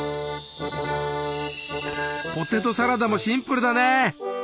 ポテトサラダもシンプルだね。